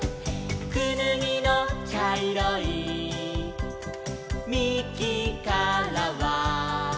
「くぬぎのちゃいろいみきからは」